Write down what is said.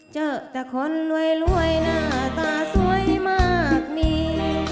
เจอแต่คนรวยหน้าตาสวยมากมี